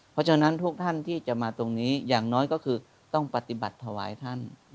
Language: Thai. เพราะฉะนั้นทุกท่านที่จะมาตรงนี้อย่างน้อยก็คือต้องปฏิบัติถวายท่าน